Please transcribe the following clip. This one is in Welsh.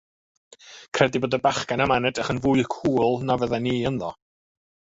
Credu bod y bachan yma'n edrych yn fwy cŵl 'na fydden i ynddo.